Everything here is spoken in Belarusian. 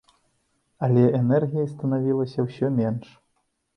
Але энергіі станавілася ўсё менш.